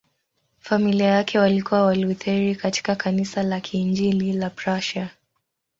Familia yake walikuwa Walutheri katika Kanisa la Kiinjili la Prussia.